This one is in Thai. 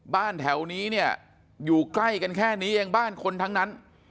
บ้านแถวนี้เนี่ยอยู่ใกล้กันแค่นี้เองบ้านคนทั้งนั้น